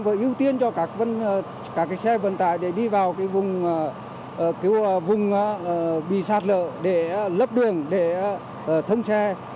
với ưu tiên cho các xe vận tải để đi vào vùng bị sát lợi để lấp đường để thông xe